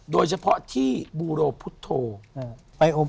โดยเฉพาะที่บูโรพุทธโธ